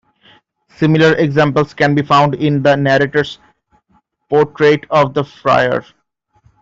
Similar examples can be found in the narrator's portrait of the friar.